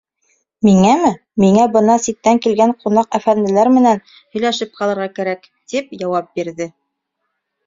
— Миңәме, миңә бына ситтән килгән ҡунаҡ әфәнделәр менән һөйләшеп ҡалырға кәрәк, — тип яуап бирҙе.